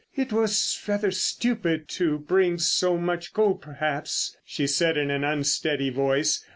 "It was rather stupid to bring so much gold perhaps," she said in an unsteady voice.